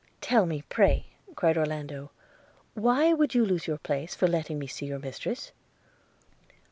'Tell me, pray,' cried Orlando, 'why you would lose your place for letting me see your mistress?'